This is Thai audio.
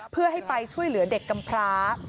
เพื่อให้ไปช่วยเหลือเด็กกำพร้า